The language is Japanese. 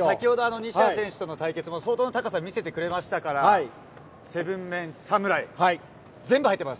先ほど、西矢選手との対決も相当な高さ見せてくれましたから、７メン侍、全部入ってます。